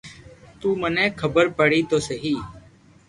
تو مني خبر پڙي تو سھي